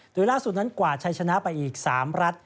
โดยล่าสุดนั้นกวาดชัยชนะไปอีก๓รัฐ